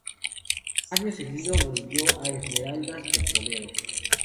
Año seguido volvió al Esmeraldas Petrolero.